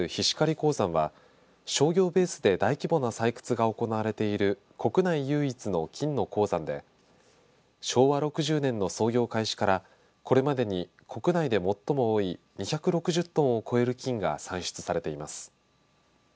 鉱山は商業ベースで大規模な採掘が行われている国内唯一の金の鉱山で昭和６０年の操業開始からこれまでに国内で最も多い２６０トンを超える金が産出されています。